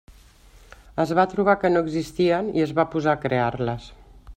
Es va trobar que no existien i es va posar a crear-les.